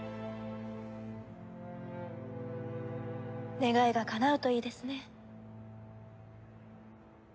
願いがかなうといいですね。